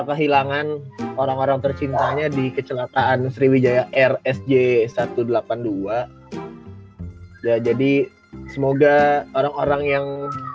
kehilangan orang orang tercintanya di kecelakaan sriwijaya rsj satu ratus delapan puluh dua jadi semoga orang orang yang